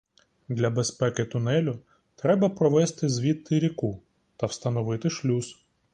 Для безпеки тунелю треба провести звідти ріку та встановити шлюз.